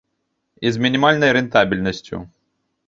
І з мінімальнай рэнтабельнасцю.